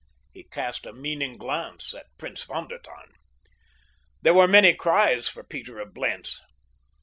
He cast a meaning glance at Prince von der Tann. There were many cries for Peter of Blentz.